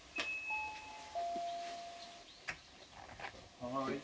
はい。